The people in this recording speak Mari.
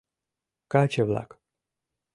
КАЧЕ-ВЛАК